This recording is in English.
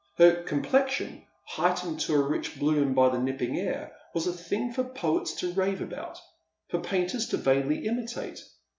Her complexion, heightened to a rich bloom by the nipping air, was a thing for poets to rave about — for painters to vainly imitate.